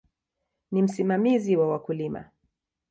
Ni msimamizi wa wakulima.